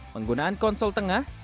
penggunaan konsol tengah